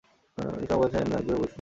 ইকরামা বলছেন, আমি কিভাবে একনিষ্ঠ হব?